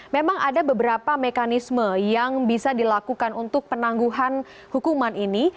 memang ada beberapa mekanisme yang bisa dilakukan untuk penangguhan hukuman ini